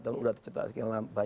dan sudah tercetak